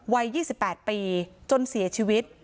วัย๒๘ปีจนเสียชีวิต